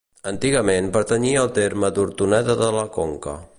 Antigament pertanyia al terme d'Hortoneda de la Conca.